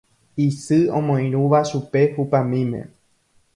Isy omoirũva chupe hupamíme